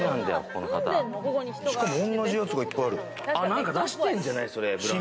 しかも同じやつがいっぱいある。